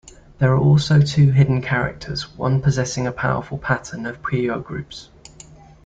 There are also two hidden characters, one possessing a powerful pattern of Puyo groups.